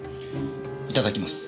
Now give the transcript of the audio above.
いただきます。